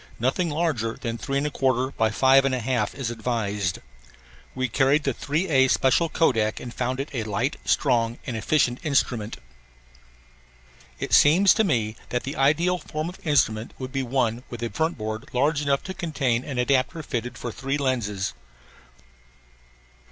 Nothing larger than 3 1/4 x 5 1/2 is advised. We carried the 3A special Kodak and found it a light, strong, and effective instrument. It seems to me that the ideal form of instrument would be one with a front board large enough to contain an adapter fitted for three lenses.